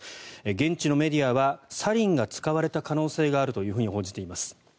現地のメディアはサリンが使われた可能性があると報じています。